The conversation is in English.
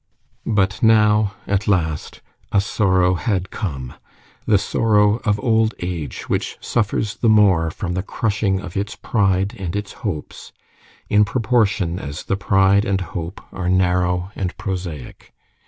But now, at last, a sorrow had come the sorrow of old age, which suffers the more from the crushing of its pride and its hopes, in proportion as the pride and hope are narrow and prosaic.